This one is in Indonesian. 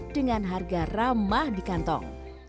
dengan harga ramah di kantong